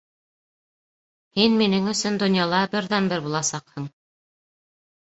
Һин минең өсөн донъяла берҙән бер буласаҡһың.